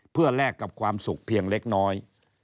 เพื่อแลกกับความสุขเพียงเล็กน้อย